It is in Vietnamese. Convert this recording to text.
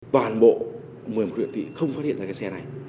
toàn bộ một mươi một huyện thị không phát hiện ra cái xe này